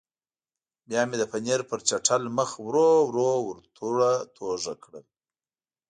بیا مې د پنیر پر چټل مخ ورو ورو ورتوږه کړل.